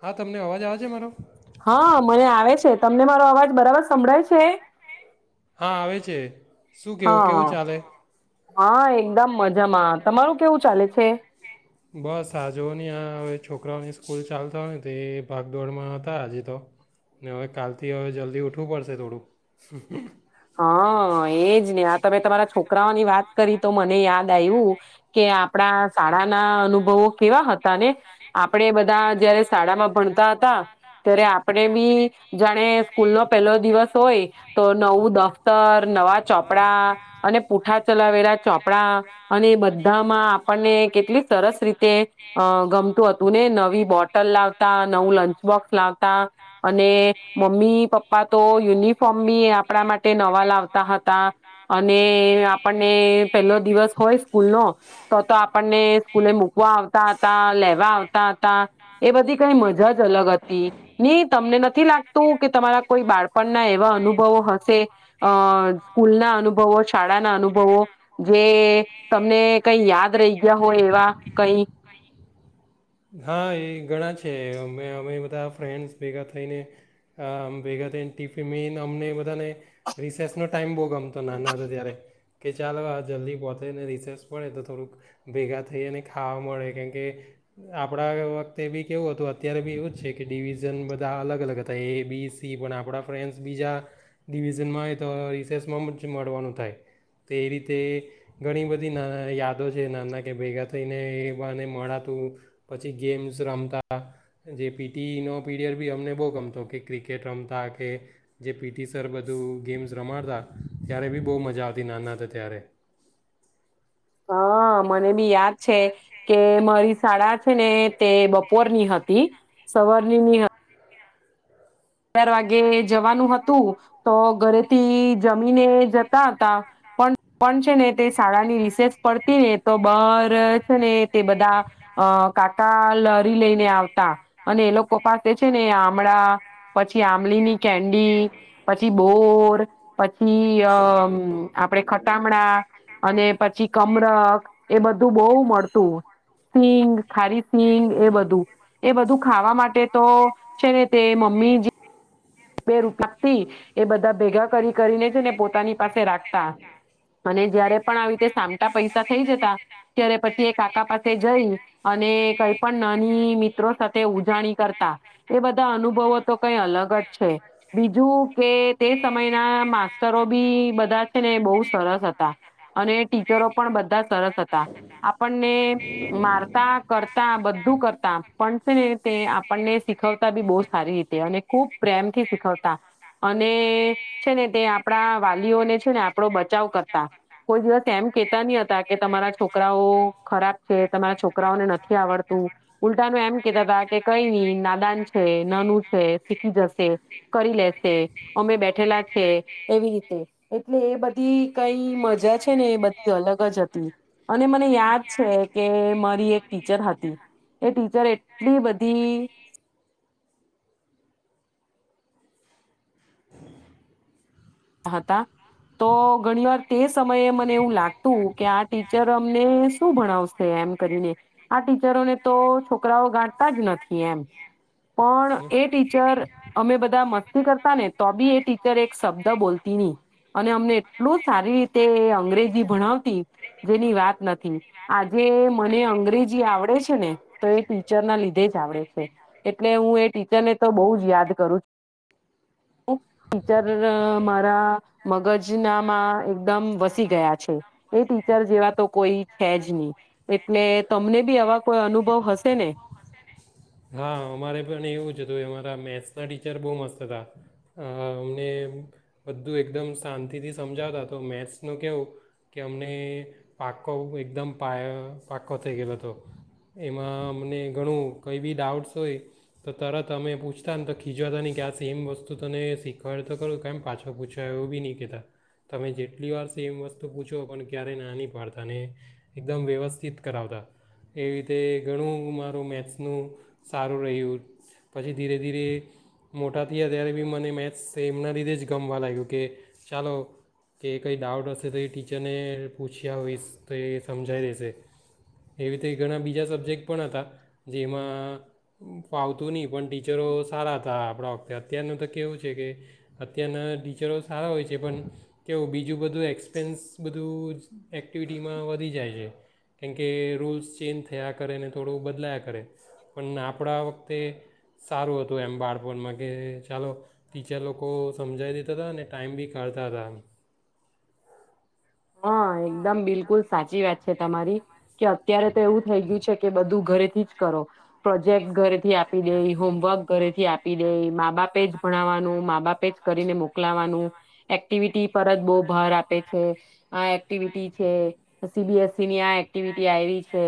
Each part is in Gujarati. હા તમને અવાજ આવે છે મારો. હા મને આવે છે તમને મારો અવાજ. બરાબર સંભળાય છે? હા આવે છે. શું કેવું હા કેવું ચાલે. હા એકદમ મજામાં તમારું કેવું ચાલે છે. બસ આ જોઓ ની આ હવે છોકરાઓની સ્કૂલ ચાલ થવાની તો એ ભાગદોડમાં હતા આજે તો ને હવે કાલથી હવે જલ્દી ઊઠવું પડશે થોડું. હા એજ ને આ તમે તમારા છોકરાઓની વાત કરી તો મને યાદ આવ્યું કે આપણા શાળાના અનુભવો કેવા હતા ને. આપણે બધા જયારે શાળામાં ભણતા હતા ત્યારે આપણે બી જાણે સ્કૂલ નો પહેલો દિવસ હોય તો નવું. દફતર, નવા ચોપડા અને પૂઠા ચલાવેલા ચોપડા અને એ બધામાં આપણને કેટલી સરસ રીતે અ ગમતું હતું. નવી બોટલ લાવતા, નવું લંચ બોક્સ લાવતા અને મમ્મી પપ્પા તો યુનિફોર્મ બી આપણા માટે. તે નવા લાવતા હતા અને આપણને પેલો દિવસ હોય સ્કૂલનો તો તો આપણને સ્કૂલે મૂકવા આવતા હતા લેવા આવતા. તા. એ બધી કઈ મજા જ અલગ હતી ની તમને નથી લાગતું કે તમારા કોઈ બાળપણના એવા અનુભવો હશે. અ સ્કૂલના અનુભવો શાળાના અનુભવો જે તમને કઈ યાદ રહી ગયા હોય એવા કઈ. હા એ ઘણા છે અમે અમે બધા ફ્રેન્ડ્સ ભેગા થઈને ભેગા થઈને ટિફિન મેને અમને બધાને રિસેસનો ટાઈમ બહુ ગમતો નાના હતો ત્યારે કે ચાલ આ જલ્દી પહોંતેને રિસેસ મળડે તો થોડુંક ભેગા થઈને ખાવા મળે કેમકે આપણા વખતે બી કેવું હતું અત્યારે બી એવું જ છે કે ડિવિઝન બધા અલગ-અલગ હતા એ, બી, સી પણ આપણા ફ્રેન્ડ્સ બીજા ડિવિઝનમાં હોય તો રિસેસમાં જ મળવાનું થાય તો એ રીતે ઘણી બધી ના યાદો છે નાના કે ભેગા થઈને એ બાને મળાતું. પછી ગેમ્સ રમતા જે પીટીનો પીરિયડ બી અમને બહુ ગમતો કે ક્રિકેટ રમતા કે જે પીટી સર બધું ગેમ્સ રમાડતા ત્યારે બી બહુ મજા આવતી નાના હતા ત્યારે. હ મને બી યાદ છે કે મારી શાળા છે ને તે બપોરની હતી સવારની ની હતી. અગાર વાગે જવાનું હતું તો ઘરેથી જમીને જતા હતા પણ. પણ છે ને તે શાળાની રિસેસ પડતી ને તો બાર છે ને તે બધા અ કાકા લારી લઈને આવતા અને એ લોકો પાસે છે ને આમળા. પછી આંમલીની કેન્ડી પછી બોર પછી અ મ આપડે ખટામણા. અને પછી કમરક એ બધું બહુ મળતું, સિંગ ખારી સિંગ એ બધું એ બધું ખાવા માટે તો છે ને તે મમ્મી જ એ બધા ભેગા કરી કરીને છે ને પોતાની પાસે રાખતા અને જયારે પણ કરીને છે ને પોતાની પાસે રાખતા અને જ્યારે પણ આવી રીતે સામટા પૈસા થઈ જતા ત્યારે પછી એ કાકા પાસે જઈ અને કઈ પણ નાની મિત્રો સાથે ઉજાણી કરતા એ બધા અનુભવો તો કઈ અલગ જ. છે બીજું કે તે સમયના માસ્ટરો બી બધા છે ને બહુ છે છે બીજું કે તે સમય ન માસ્ટરો બી બધા છે ને બહુ સરસ હતા અને ટીચરો પણ બધા સરસ હતા આપણને મારતા કરતા બધું કરતા પણ છે ને તે આપણને શીખવતા બી બહુ સારી રીતે અને ખુબ પ્રેમ થી શીખવતા અને છે ને તે આપણા વાલીઓને છે ને આપડો બચાવ કરતા, કોઈ દિવસ એમ કહેતા નહી હતા કે તમારા છોકરાઓ ખરાબ છે તમારા છોકરાઓને નથી આવડતું ઉલટા ન એમ કહેતા તા કે કઈ નહી નાદાન છે, નાનું છે શીખી જશે. છે કરી લેશે, અમે બેઠેલા છીએ. એવી રીતે એટલે એ બધી કઈ મજા છે ને એ બધી અલગ જ હતી અને મને યાદ છે કે મારી એક ટીચર હતી એ ટીચર એટલી બધી હતા તો ઘણી વાર તે સમયે મને એવું લાગતું કે આ ટીચર અમને શું ભણાવશે, એમ કરીને આ ટીચરોને તો છોકરાઓ ગાઠતા જ નથી એમ. પણ હમ. એ ટીચર અમે બધા મસ્તી કરતા ને તો બી એ ટીચર એક શબ દ બોલતી નહી અને અમને એટલું જ સારી રીતે અંગ્રેજી ભણાવતી જેની વાત નથી આજે મને અંગ્રેજી આવડે છે ને તો એ ટીચર ના લીધે જ આવડે છે એટલે હું એ ટીચરને તો બહું જ યાદ કરું છુ ટીચર. દ મારા મગજ નામાં એકદમ વસી ગયા છે. એ ટીચર જેવા તો કોઈ છે જ નહી. એટલે તમને બી આવા કોઈ અનુભવ હશે ને. હા અમારે પણ એવું જ હતું અમારા મેથ્સના ટીચર બહુ મસ્ત હતા અમને બધું એકદમ શાંતિથી સમજાવતા તો મેથ્સનું કેવું કે અમને પાકો એકદમ પા પાક્કો થઈ ગયેલો હતો એમાં અમને ઘણું. કંઈ બી ડાઉટ્સ હોય તો તરત તમે પૂછતા ને તો ખીજવાતા નહીં કે આ સેમ વસ્તુ તને શીખવાડ તો કરો કેમ પાછો પૂછાય એવું બી નહીં કહેતા તમે જેટલી વાર સેમ વસ્તુ પૂછો પણ ક્યારેય ના નં પાડતા ને એકદમ વ્યવસ્થિત કરાવતા એવી રીતે ઘણું મારું મેથ્સ. નું સારું રહ્યું પછી ધીરે ધીરે મોટા થયા ત્યારે બી મને મેથ્સ એ એમના લીધે જ ગમવા લાગ્યું કે ચાલો કે કંઈ ડાઉટ હશે તો એ ટીચરને પૂછ્યાવીશ તો એ સમજાઈ દેશે એવી રીતે ઘણા બીજા સબ્જેક્ટ પણ હતા. જેમાં ફાવતું નહી પણ ટીચરો સારા હતા. આપણા વખતે અત્યારનું તો કેવું છે કે અત્યારના [unintelligible] અત્યારનું તો કેવું છે કે અત્યારના ટીચરો સારા હોય છે પણ કેવું બીજું બધું એક્સપેન્સ બધું એક્ટિવિટીમાં વધી જાય છે કેમ કે રૂલ્સ ચેન્જ થયા કરે ને થોડું બદલાયા. પડે પણ આપડા વખતે સારું હતું એમ બાળપણમાં કે ચાલો ટીચર લોકો સમજાવી દેતા હતા અને ટાઈમ બી કાઢતા તા. હા એકદમ બિલકુલ સાચી વાત છે, તમારી કે અત્યારે તો એવું થઈ ગયું છે કે બધું ઘરે થી જ કરો પ્રોજેક્ટ ઘરેથી આપી દે, હોમવર્ક ઘરેથી આપી દે, મા બાપે જ ભણાવવાનું, મા બાપે જ કરીને મોકલાવાનું, એક્ટિવિટી પર જ બહુ ભાર આપે છે. આ એક્ટિવિટી છે સી બી એસ ઇ ની આ એક્ટિવિટી આવી છે,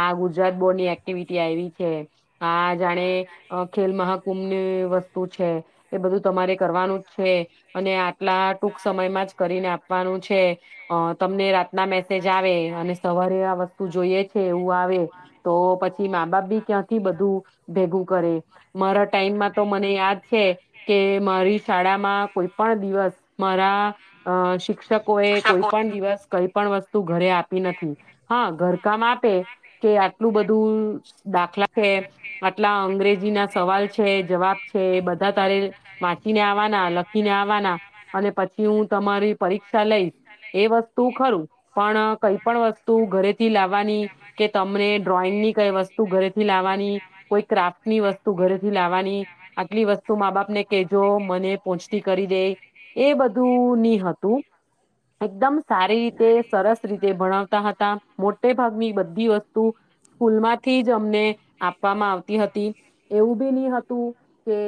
આ ગુજરાત બોર્ડની એક્ટિવિટી આવી છે, આ જાણે ખેલ મહાકુંભની વસ્તુ છે, એ બધું તમારે કરવાનું જ છે. અને આટલા ટૂંક સમયમાં જ કરીને આપવાનું છે. અ તમને રાતના મેસેજ આવે અને સવારે આ વસ્તુ જોઈએ છે, એવું આવે તો પછી મા બાપ બી ક્યાંથી બધું ભેગું કરે. મારા ટાઈમમાં તો મને યાદ છે કે મારી શાળામાં કોઈ પણ પણ દિવસ મારા શિક્ષકો એ કોઈ પણ દિવસ કઈ પણ વસ્તુ ઘરે આપી નથી, હા ઘર કામ આપે કે આટલું બધું દાખલા છે, આટલા અંગ્રેજી ના સવાલ છે જવાબ છે, બધા તારે વાચીને આવાના લખીને વાંચીને આવવાના અને પછી હું તમારી પરીક્ષા લઈશ. વસ્તુ ખરું પણ કઈ પણ વસ્તુ ઘરેથી લાવવાની કે તમને ડ્રોઈંગ ની કઈ વસ્તુ ઘરેથી લાવવાની કોઈ ક્રાફ્ટ ની વસ્તુ ઘરેથી લાવવાની આટલી વસ્તુ મા બાપ ને કેજો મને પહોચતી કરી દેજો એ બધું ની હતું. એકદમ સારી રીતે સરસ રીતે ભણાવતા હતા મોટે ભાગની બધી વસ્તુ સ્કૂલમાંથી જ અમને આપવામાં આવતી હતી. એવું બી નહ હતું કે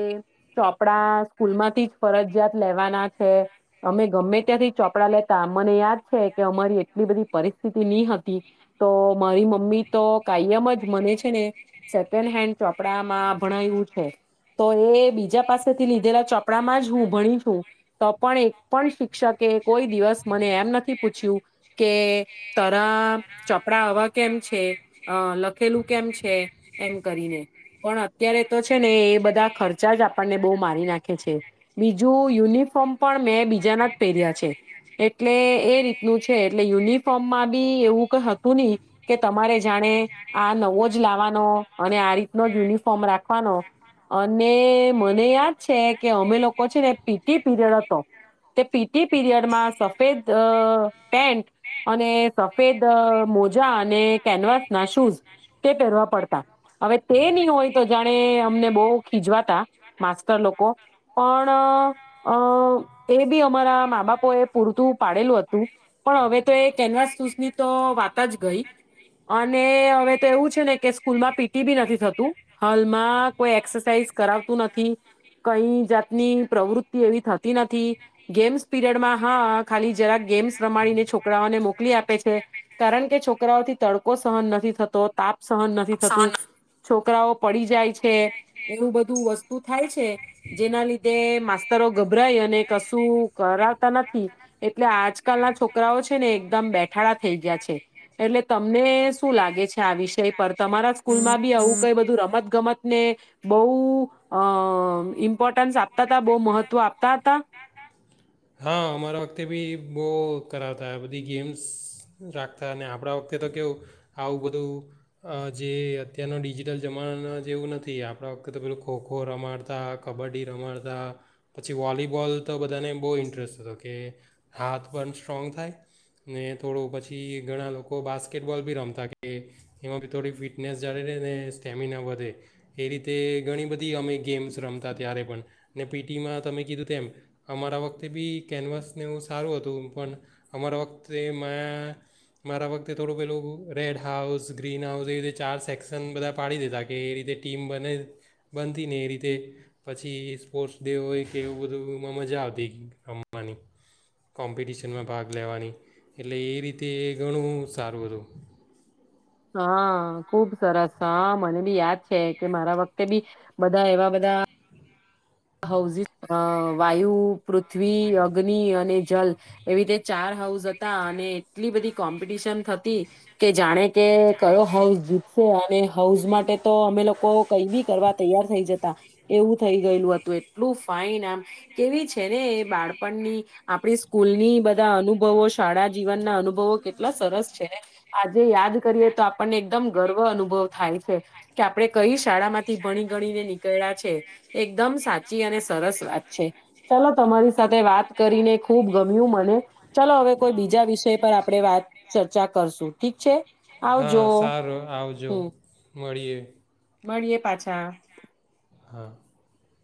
ચોપડા સ્કૂલમાંથી જ ફરજિયાત લેવાના છે, અમે ગમે ત્યાંથી ચોપડા લે મને યાદ છે કે અમારી એટલી બધી પરિસ્થિતિ નહી હતી, તો મારી મમ્મી તો કાયમ જ મને છે ને સેકન્ડ હેન્ડ ચોપડામાં ભણાયું છે, તો એ બીજા પાસેથી લીધેલા ચોપડામાં જ હું ભણી છું. તો પણ એક પણ શિક્ષકે એ કોઈ મને એમ નથી પૂછ્યું કે તરા ચપડા આવા કેમ છે, અ લખેલું કેમ છે એમ કરીને પણ અત્યારે તો છે ને એ બધા ખર્ચા જ આપણને બહુ મારી નાખે છે. બીજું યુનિફોર્મ પણ મેં બીજાના જ પહેર્યા છે. એટલે એ રીતનું છે એટલે યુનિફોર્મમાં બી એવું કઈ હતું નહી કે તમારે જાણે આ નવો જ લાવવાનો અને આ રીતનો જ યુનિફોર્મ રાખવાનો અને મને યાદ છે, કે અમે લોકો તો છે ને પી ટી પીરિયડ હતો, તે પી ટી પીરિયડમાં સફેદ પેન્ટ અને સફેદ મોજા અને કેનવાસ ના શૂઝ તે પહેરવા પડતા હવે તે નહી હોય, તો જાણે અમને બહુ ખીજવાતા માસ્ટર લોકો પણ અ એ બી અમારા મા-બાપ ઓ એ પૂરતું પાડેલું હતું પણ હવે, તો એ કેનવાસૂસની તો વાત જ ગઈ અને હવે તો એવું છે ને કે સ્કૂલમાં પી ટી બી નથી થતું. હાલમાં કોઈ એરસાઝ કરતું નથી કઈ જાતની ની પ્રવૃતિ એવી થતી નથી ગેમ્સ પીરયડ માં હા ખાલી જરાક ગેમ્સ રમાડીને છોકરાઓને મોકલી આપે છે, કારણ કે છોકરાઓથી તડકો સહન નથી થતો તાપ સહન નથી થતું. છોકરાઓ પડી જાય છે એવું બધું વસ્તુ થાય છે, જેના લીધે માસ્તરો ગભરાય અને કશું નથી એટલે આજકાલ ના છોકરાઓ છે, ને એકદમ બેઠાડા થઈ ગયા છે, એટલે તમને શું લાગે છે, આ વિષય પર તમારા સ્કૂલમાં બી આવું કઈ બધું રમત ગમત ને, બૌ અ ઈમ્પોર્ટન્સ ઇમ્પોર્ટન્સ આપતા હતા બહુ મહત્વ આપતા હતા. હા અમારા વખતે બી બહ કરાવતા બધી ગેમ્સ રાખતા અને આપણા વખતે તો કેવું, આવું બધું જે અત્યારનો ડિજીિટલ જમાના જેવું નથી આપણા વખતે તો પેલું ખો ખો રમાડતા, કબડ્ડી રમાડતા, પછી વોલીબોલ તો બધાને બહુ ઇન્ટરેસ્ટ હતો કે, હાથ પણ સ્ટ્રોંગ થાય ને થોડું પછી ઘણા લોકો બાસ્કેટબોલ બી રમતા કે, એમાં બી થોડી ફિટનેસ જાળ રહે ને સ્ટેમિના વધે, એ રીતે ઘણી બધી અમે ગેમ્સ રમતા ત્યારે પણ ને પી ટીમાં તમે કીધું તેમ, અમારા વખતે બી કેનવાસને સારું હતું, પણ અમારા વખતે મા મારા વખતે થોડું પેલું રેડ હાઉસ ગ્રીન હાઉસ એ રીતે ચાર સેક્શન બધા પાડી દેધા કે એ રીતે ટીમ બને, બનતી ને એ રીતે પછી સ્પોર્ટ્સ ડે હોય કે એવું બધુંમાં મજા આવતી રમવાની, કોમ્પિટિશનમાં ભાગ લેવાની, એટલે એ રીતે ઘણું સારું હતું. હા ખુબ સરસ હા મને બી યાદ છે, કે મારા વખતે બી, બધા એવા બધા [unintelligible] વાયુ પૃથ્વી અગ્નિ અને જલ, એવી રીતે ચાર હાઉસ હતા અને એટલી બધી કોમ્પિટિશન થતી, કે જાણે કે કયો હાઉસ જીતશે અને હાઉઝ માટે તો અમે લોકો કઈ બી કરવા તૈયાર થઈ જતા, એવું થઈ ગયેલું હતું. તો એટલું ફાઈન આમ કેવી છે ને એ બાળપણની, આપણી સ્કૂલની બધા અનુભવો શાળા જીવન ના અનુભવો કેટલા સરસ છે, આજે યાદ કરીએ તો આપણને એકદમ ગર્વ અનુભવ થાય છે, કે આપણે કઈ શાળા માંથી ભણી ગણીને નીકળ્યા છે, એકદમ સાચ સરસ વાત છે, ચાલો તમારી સાથે વાત કરીને ખુબ ગમ્યું મને, ચલો હવે કોઈ બીજા વિષય પર આપણે વાત ચર્ચા કરશું ઠીક છે, હા આવજો. સારું આવજો. માળીએ. મળીએે પાછા. હા.